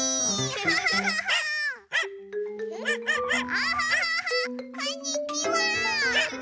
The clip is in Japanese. キャハハハこんにちは！